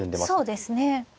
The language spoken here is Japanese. そうですね。